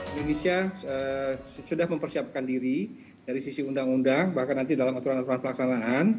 indonesia sudah mempersiapkan diri dari sisi undang undang bahkan nanti dalam aturan aturan pelaksanaan